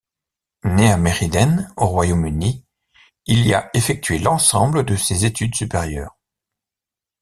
Né à Meriden au Royaume-Uni, il y a effectué l'ensemble de ses études supérieures.